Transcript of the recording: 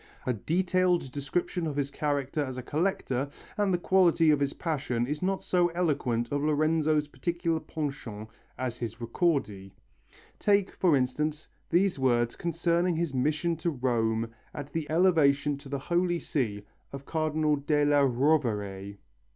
A detailed description of his character as a collector and the quality of his passion is not so eloquent of Lorenzo's particular penchant as his Ricordi. Take, for instance, these words concerning his mission to Rome at the elevation to the Holy See of Cardinal Della Rovere.